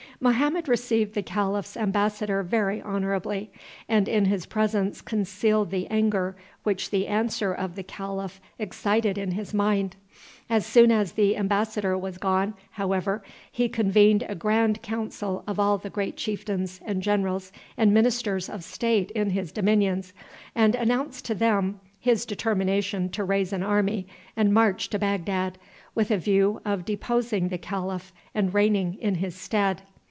Mohammed received the calif's embassador very honorably, and in his presence concealed the anger which the answer of the calif excited in his mind. As soon as the embassador was gone, however, he convened a grand council of all the great chieftains, and generals, and ministers of state in his dominions, and announced to them his determination to raise an army and march to Bagdad, with a view of deposing the calif and reigning in his stead.